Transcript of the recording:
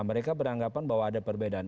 mereka beranggapan bahwa ada perbedaan